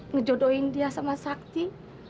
ngejodohin dia sama sakti